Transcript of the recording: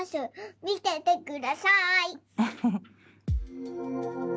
見ててください！